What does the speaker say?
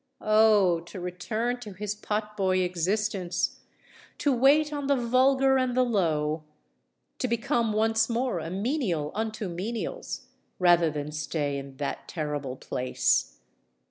Oh! to return to his pot boy existence—to wait on the vulgar and the low—to become once more a menial unto menials,—rather than stay in that terrible place!